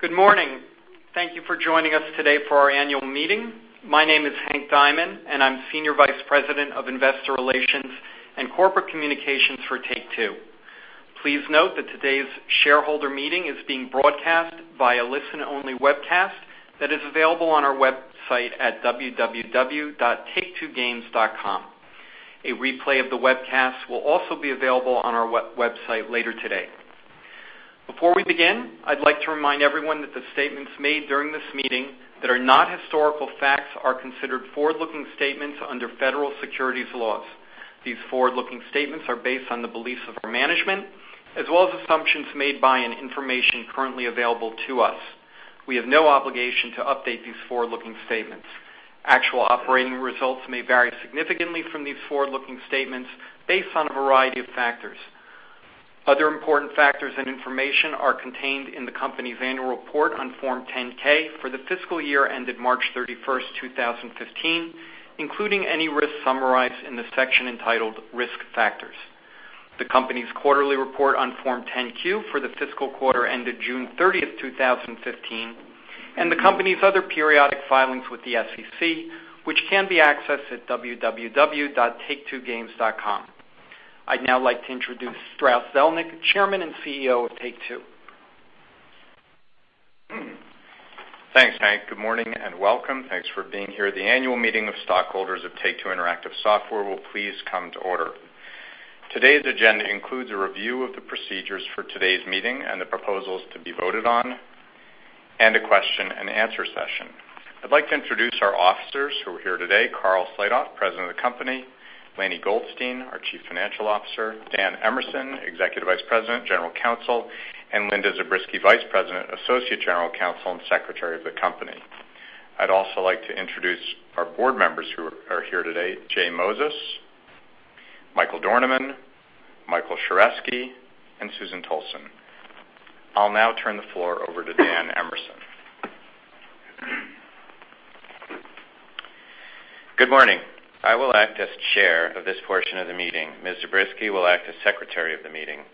Good morning. Thank you for joining us today for our annual meeting. My name is Hank Diamond, and I'm Senior Vice President of Investor Relations and Corporate Communications for Take-Two. Please note that today's shareholder meeting is being broadcast by a listen-only webcast that is available on our website at www.taketwogames.com. A replay of the webcast will also be available on our website later today. Before we begin, I'd like to remind everyone that the statements made during this meeting that are not historical facts are considered forward-looking statements under federal securities laws. These forward-looking statements are based on the beliefs of our management, as well as assumptions made by and information currently available to us. We have no obligation to update these forward-looking statements. Actual operating results may vary significantly from these forward-looking statements based on a variety of factors. Other important factors and information are contained in the company's annual report on Form 10-K for the fiscal year ended March 31, 2015, including any risks summarized in the section entitled Risk Factors. The company's quarterly report on Form 10-Q for the fiscal quarter ended June 30, 2015, and the company's other periodic filings with the SEC, which can be accessed at www.taketwogames.com. I'd now like to introduce Strauss Zelnick, Chairman and CEO of Take-Two. Thanks, Hank. Good morning and welcome. Thanks for being here. The annual meeting of stockholders of Take-Two Interactive Software will please come to order. Today's agenda includes a review of the procedures for today's meeting and the proposals to be voted on, and a question and answer session. I'd like to introduce our officers who are here today, Karl Slatoff, President of the company, Lainie Goldstein, our Chief Financial Officer, Dan Emerson, Executive Vice President, General Counsel, and Linda Zabriskie, Vice President, Associate General Counsel, and Secretary of the company. I'd also like to introduce our board members who are here today, J Moses, Michael Dornemann, Michael Sheresky, and Susan Tolson. I'll now turn the floor over to Dan Emerson. Good morning. I will act as chair of this portion of the meeting. Ms. Zabriskie will act as Secretary of the meeting.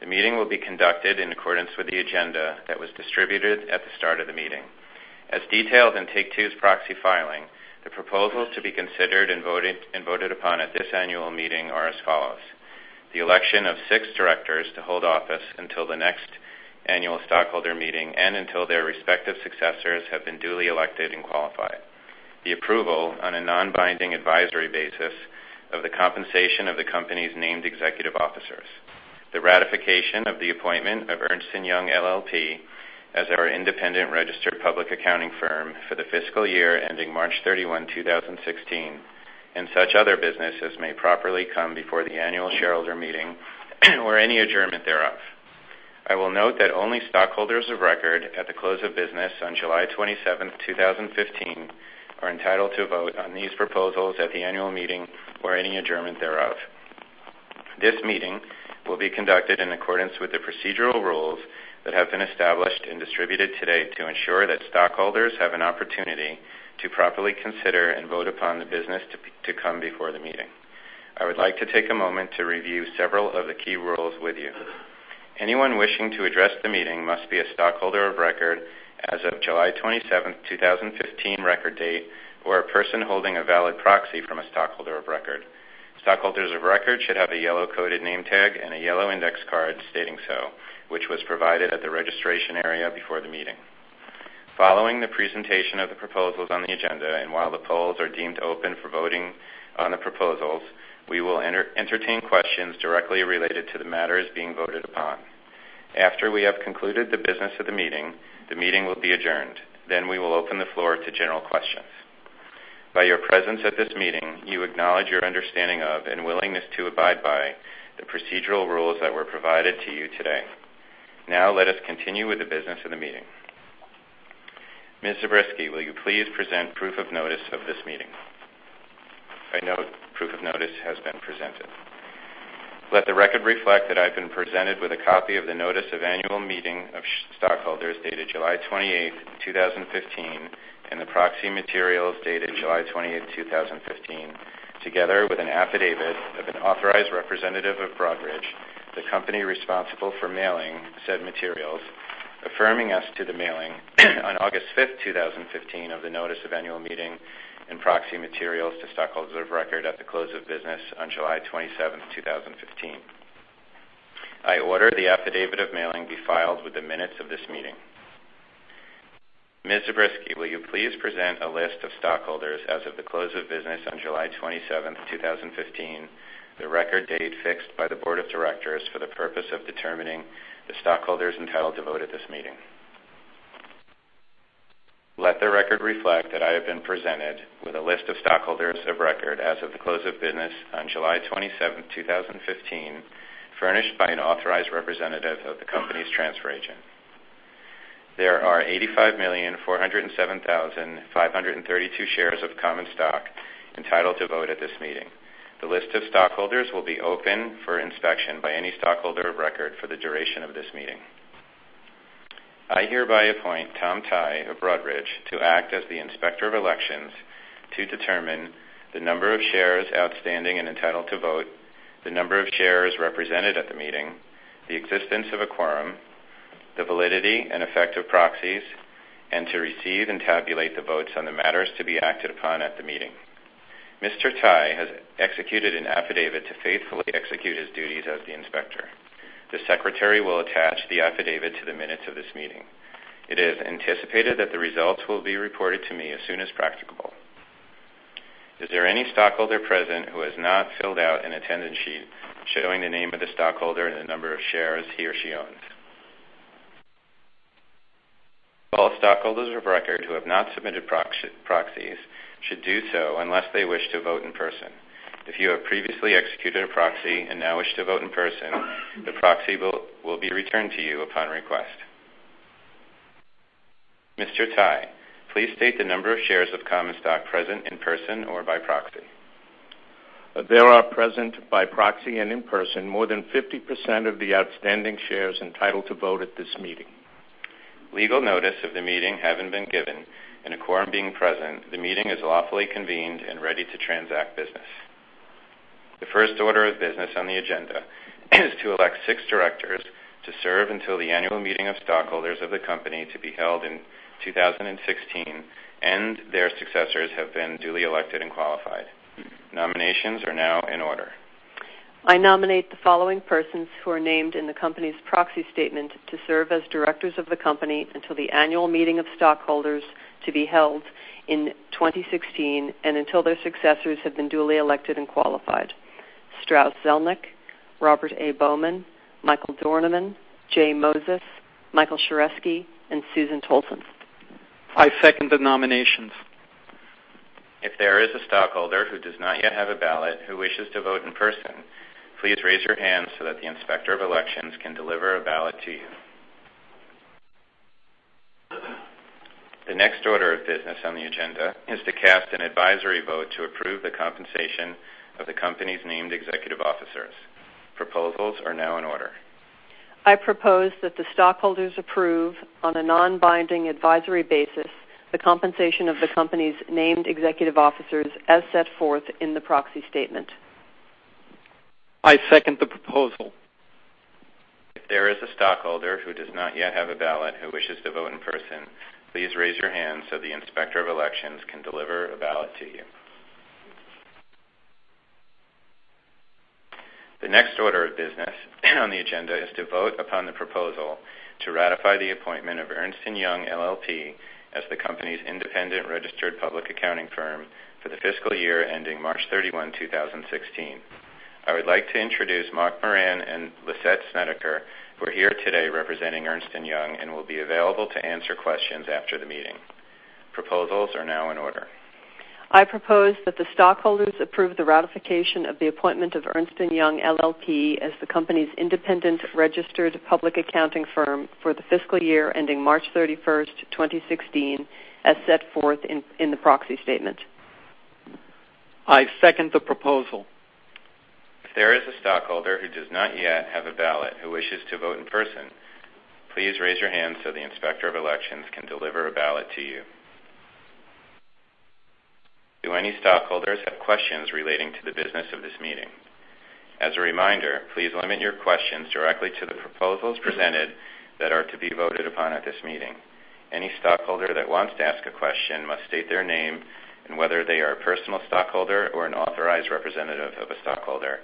The meeting will be conducted in accordance with the agenda that was distributed at the start of the meeting. As detailed in Take-Two's proxy filing, the proposals to be considered and voted upon at this annual meeting are as follows: The election of six directors to hold office until the next annual stockholder meeting and until their respective successors have been duly elected and qualified. The approval on a non-binding advisory basis of the compensation of the company's named executive officers. The ratification of the appointment of Ernst & Young LLP as our independent registered public accounting firm for the fiscal year ending March 31, 2016, and such other business as may properly come before the annual shareholder meeting or any adjournment thereof. I will note that only stockholders of record at the close of business on July 27th, 2015, are entitled to vote on these proposals at the annual meeting or any adjournment thereof. This meeting will be conducted in accordance with the procedural rules that have been established and distributed today to ensure that stockholders have an opportunity to properly consider and vote upon the business to come before the meeting. I would like to take a moment to review several of the key rules with you. Anyone wishing to address the meeting must be a stockholder of record as of July 27th, 2015 record date, or a person holding a valid proxy from a stockholder of record. Stockholders of record should have a yellow coded name tag and a yellow index card stating so, which was provided at the registration area before the meeting. Following the presentation of the proposals on the agenda while the polls are deemed open for voting on the proposals, we will entertain questions directly related to the matters being voted upon. After we have concluded the business of the meeting, the meeting will be adjourned. We will open the floor to general questions. By your presence at this meeting, you acknowledge your understanding of and willingness to abide by the procedural rules that were provided to you today. Now let us continue with the business of the meeting. Ms. Zabriskie, will you please present proof of notice of this meeting? I note proof of notice has been presented. Let the record reflect that I've been presented with a copy of the Notice of Annual Meeting of Stockholders dated July 28th, 2015, and the proxy materials dated July 20th, 2015, together with an affidavit of an authorized representative of Broadridge, the company responsible for mailing said materials, affirming us to the mailing on August 5th, 2015, of the Notice of Annual Meeting and proxy materials to stockholders of record at the close of business on July 27th, 2015. I order the affidavit of mailing be filed with the minutes of this meeting. Ms. Zabriskie, will you please present a list of stockholders as of the close of business on July 27th, 2015, the record date fixed by the Board of Directors for the purpose of determining the stockholders entitled to vote at this meeting. Let the record reflect that I have been presented with a list of stockholders of record as of the close of business on July 27th, 2015, furnished by an authorized representative of the company's transfer agent. There are 85,407,532 shares of common stock entitled to vote at this meeting. The list of stockholders will be open for inspection by any stockholder of record for the duration of this meeting. I hereby appoint Tom Tighe of Broadridge to act as the Inspector of Elections to determine the number of shares outstanding and entitled to vote The number of shares represented at the meeting, the existence of a quorum, the validity and effect of proxies, and to receive and tabulate the votes on the matters to be acted upon at the meeting. Mr. Tighe has executed an affidavit to faithfully execute his duties as the inspector. The secretary will attach the affidavit to the minutes of this meeting. It is anticipated that the results will be reported to me as soon as practicable. Is there any stockholder present who has not filled out an attendance sheet showing the name of the stockholder and the number of shares he or she owns? All stockholders of record who have not submitted proxies should do so unless they wish to vote in person. If you have previously executed a proxy and now wish to vote in person, the proxy will be returned to you upon request. Mr. Tighe, please state the number of shares of common stock present in person or by proxy. There are present by proxy and in person more than 50% of the outstanding shares entitled to vote at this meeting. Legal notice of the meeting having been given, a quorum being present, the meeting is lawfully convened and ready to transact business. The first order of business on the agenda is to elect six directors to serve until the annual meeting of stockholders of the company to be held in 2016 and their successors have been duly elected and qualified. Nominations are now in order. I nominate the following persons who are named in the company's proxy statement to serve as directors of the company until the annual meeting of stockholders to be held in 2016 and until their successors have been duly elected and qualified. Strauss Zelnick, Robert A. Bowman, Michael Dornemann, J Moses, Michael Sheresky, and Susan Tolson. I second the nominations. If there is a stockholder who does not yet have a ballot who wishes to vote in person, please raise your hand so that the Inspector of Elections can deliver a ballot to you. The next order of business on the agenda is to cast an advisory vote to approve the compensation of the company's named executive officers. Proposals are now in order. I propose that the stockholders approve on a non-binding advisory basis the compensation of the company's named executive officers as set forth in the proxy statement. I second the proposal. If there is a stockholder who does not yet have a ballot who wishes to vote in person, please raise your hand so the Inspector of Elections can deliver a ballot to you. The next order of business on the agenda is to vote upon the proposal to ratify the appointment of Ernst & Young LLP as the company's independent registered public accounting firm for the fiscal year ending March 31, 2016. I would like to introduce Mark Moran and Lissette Snedeker, who are here today representing Ernst & Young and will be available to answer questions after the meeting. Proposals are now in order. I propose that the stockholders approve the ratification of the appointment of Ernst & Young LLP as the company's independent registered public accounting firm for the fiscal year ending March 31, 2016, as set forth in the proxy statement. I second the proposal. If there is a stockholder who does not yet have a ballot who wishes to vote in person, please raise your hand so the Inspector of Elections can deliver a ballot to you. Do any stockholders have questions relating to the business of this meeting? As a reminder, please limit your questions directly to the proposals presented that are to be voted upon at this meeting. Any stockholder that wants to ask a question must state their name and whether they are a personal stockholder or an authorized representative of a stockholder,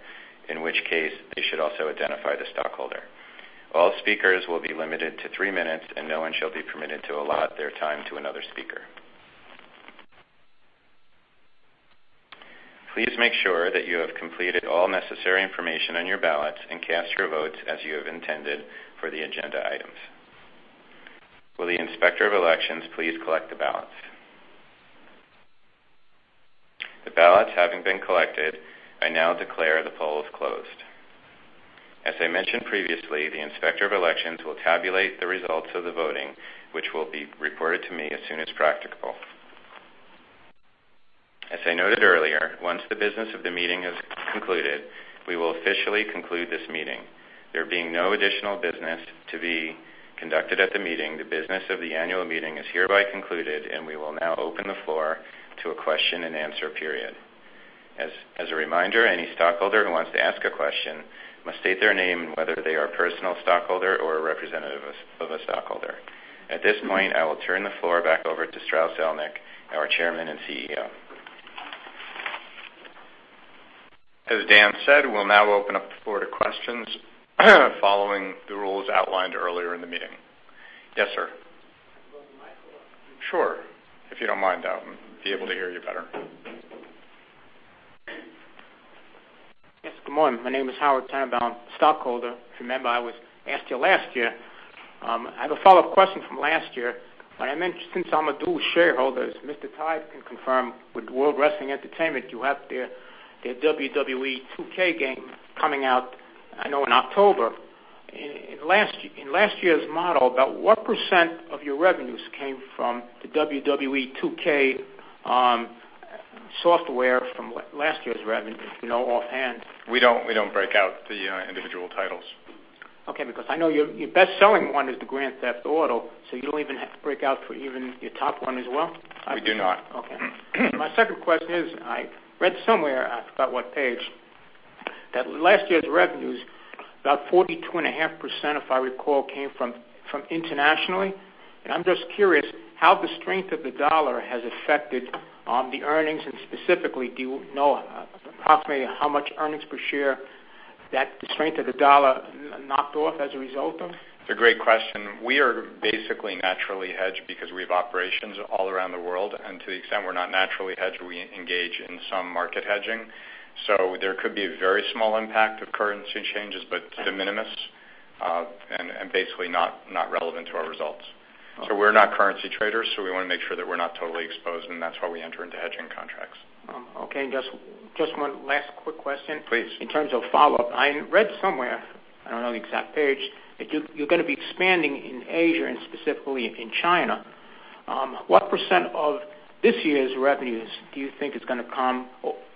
in which case, they should also identify the stockholder. All speakers will be limited to three minutes, and no one shall be permitted to allot their time to another speaker. Please make sure that you have completed all necessary information on your ballots and cast your votes as you have intended for the agenda items. Will the Inspector of Elections please collect the ballots? The ballots having been collected, I now declare the polls closed. As I mentioned previously, the Inspector of Elections will tabulate the results of the voting, which will be reported to me as soon as practicable. As I noted earlier, once the business of the meeting has concluded, we will officially conclude this meeting. There being no additional business to be conducted at the meeting, the business of the Annual Meeting is hereby concluded, and we will now open the floor to a question-and-answer period. As a reminder, any stockholder who wants to ask a question must state their name and whether they are a personal stockholder or a representative of a stockholder. At this point, I will turn the floor back over to Strauss Zelnick, our Chairman and CEO. As Dan said, we'll now open up the floor to questions following the rules outlined earlier in the meeting. Yes, sir. Can I have a microphone? Sure, if you don't mind. I'll be able to hear you better. Yes. Good morning. My name is Howard Turnbull, stockholder. If you remember, I asked you last year. I have a follow-up question from last year. I am interested since I'm a dual shareholder, as Mr. Tighe can confirm, with World Wrestling Entertainment, you have their WWE 2K game coming out, I know in October. In last year's model, about what % of your revenues came from the WWE 2K software from last year's revenue, if you know offhand? We don't break out the individual titles. Okay, because I know your best-selling one is the Grand Theft Auto, you don't even break out for even your top one as well? We do not. Okay. My second question is, I read somewhere, I forgot what page, that last year's revenues, about 42.5%, if I recall, came from internationally. I'm just curious how the strength of the dollar has affected the earnings, and specifically, do you know approximately how much earnings per share that the strength of the dollar knocked off as a result of? It's a great question. We are basically naturally hedged because we have operations all around the world, and to the extent we're not naturally hedged, we engage in some market hedging. There could be a very small impact of currency changes, but de minimis, and basically not relevant to our results. We're not currency traders, so we want to make sure that we're not totally exposed, and that's why we enter into hedging contracts. Okay, just one last quick question. Please. In terms of follow-up, I read somewhere, I don't know the exact page, that you're going to be expanding in Asia and specifically in China. What % of this year's revenues do you think is going to come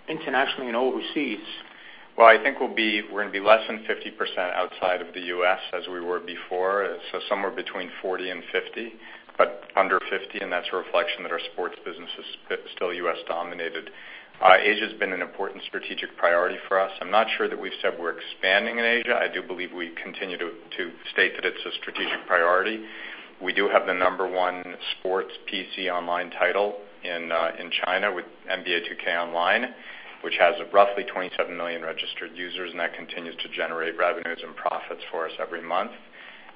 internationally and overseas? I think we're going to be less than 50% outside of the U.S. as we were before. Somewhere between 40% and 50%, but under 50%, and that's a reflection that our sports business is still U.S. dominated. Asia's been an important strategic priority for us. I'm not sure that we've said we're expanding in Asia. I do believe we continue to state that it's a strategic priority. We do have the number one sports PC online title in China with NBA 2K Online, which has roughly 27 million registered users, and that continues to generate revenues and profits for us every month.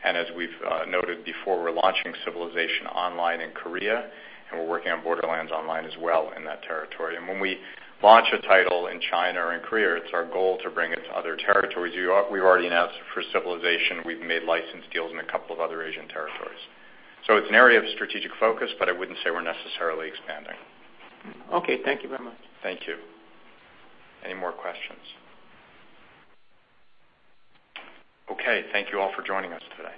As we've noted before, we're launching Civilization Online in Korea, and we're working on Borderlands Online as well in that territory. When we launch a title in China or in Korea, it's our goal to bring it to other territories. We've already announced for Civilization, we've made license deals in a couple of other Asian territories. It's an area of strategic focus, but I wouldn't say we're necessarily expanding. Thank you very much. Thank you. Any more questions? Thank you all for joining us today.